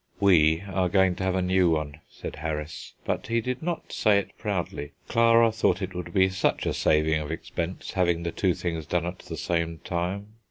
"We are going to have a new one," said Harris, but he did not say it proudly. "Clara thought it would be such a saving of expense, having the two things done at the same time.